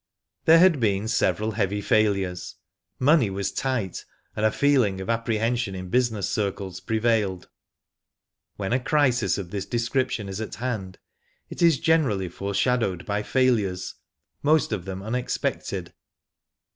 There had been several heavy failures, money was tight, and a feeling of apprehension in busi ness circles prevailed. When a crisis or this description is at hand, it is generally foreshadowed by failures, most of them unexpected.